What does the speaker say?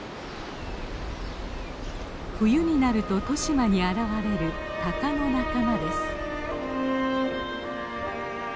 冬になると利島に現れるタカの仲間です。